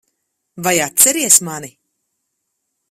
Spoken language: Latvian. Vai atceries mani?